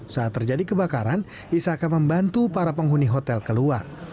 saat terjadi kebakaran isaka membantu para penghuni hotel keluar